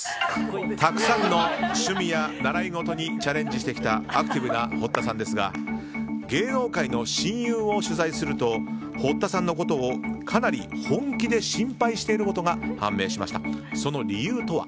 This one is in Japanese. たくさんの趣味や習い事にチャレンジしてきたアクティブな堀田さんですが芸能界の親友を取材すると堀田さんのことをかなり本気で心配していることが判明しました。